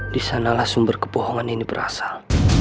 disanalah sumber kebohongan ini berasal